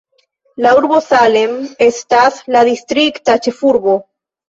La urbo Salem estas la distrikta ĉefurbo.